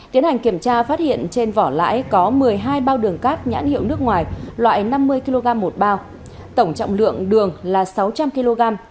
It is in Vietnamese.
tiến hành kiểm tra phát hiện trên vỏ lãi có một mươi hai bao đường cát nhãn hiệu nước ngoài loại năm mươi kg một bao tổng trọng lượng đường là sáu trăm linh kg